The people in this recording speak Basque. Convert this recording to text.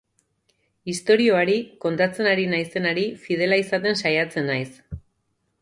Istorioari, kontatzen ari naizenari, fidela izaten saiatzen naiz.